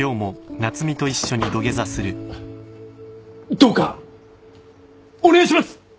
どうかお願いします！